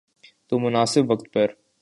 تو مناسب وقت پر۔